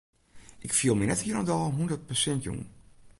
Ik fiel my net hielendal hûndert persint jûn.